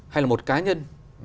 hay là một cá nhân